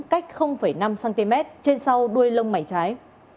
cách năm cm trên sau đuôi lông mảnh trái